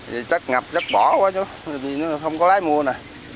thì chắc ngập chắc bỏ quá chú vì nó không có lái mua nè